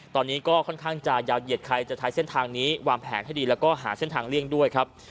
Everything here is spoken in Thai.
ตอนนี้ก็ค่อนข้างจะยาวเหยียดใครจะใช้เส้นทางนี้วางแผนให้ดีแล้วก็หาเส้นทางเลี่ยงด้วยครับ